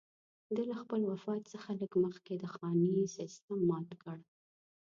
ده له خپل وفات څخه لږ مخکې د خاني سېسټم مات کړ.